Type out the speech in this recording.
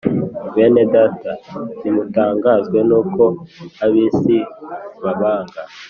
Bene Data, ntimutangazwe n’uko ab’isi babanga.